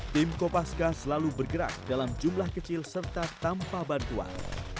tim kopaska selalu bergerak dalam jumlah kecil serta tanpa bantuan